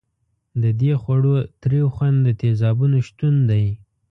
د دې خوړو تریو خوند د تیزابونو شتون دی.